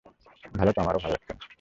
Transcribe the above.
ভালো তো আমারও লাগছে না।